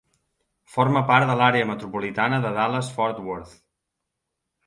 Forma part de l'àrea metropolitana de Dallas-Fort Worth.